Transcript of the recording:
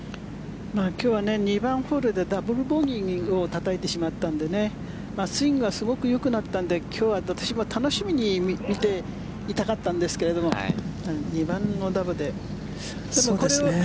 今日は２番ホールでダブルボギーをたたいてしまったんでスイングはすごく良くなったので今日は私も楽しみに見ていたかったんですが２番のダボで。